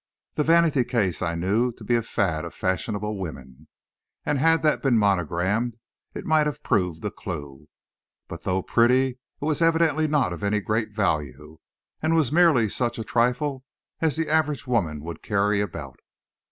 The vanity case I knew to be a fad of fashionable women, and had that been monogrammed, it might have proved a clue. But, though pretty, it was evidently not of any great value, and was merely such a trifle as the average woman would carry about.